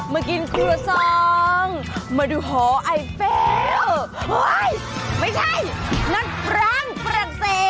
มากินครัวซองมาดูหอไอเฟลไม่ใช่นักปรางฝรั่งเศส